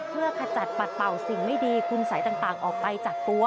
เพื่อขจัดปัดเป่าสิ่งไม่ดีคุณสัยต่างออกไปจากตัว